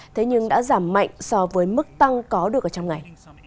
thế nhưng đã giảm mạnh so với mức tăng có được ở trong ngày